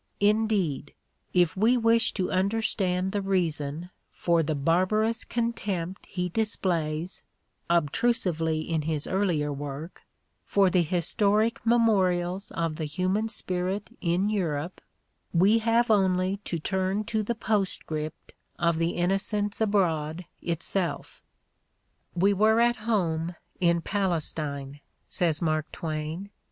Indeed, if we wish to understand the reason for the barbarous contempt he displays, obtrusively in his earlier work, for the historic memorials of the human spirit in Europe, we have only to turn to the postscript of "The Innocents Abroad" itself. ""We were at home in Palestine, '' says Mark Twain.